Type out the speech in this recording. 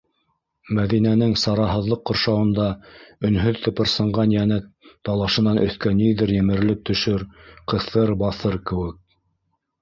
Мәҙинәнең сараһыҙлыҡ ҡоршауында өнһөҙ тыпырсынған йәне талашынан өҫкә ниҙер емерелеп төшөр, ҡыҫыр, баҫыр кеүек...